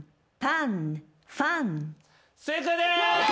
正解です！